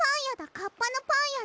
カッパのパンやだ。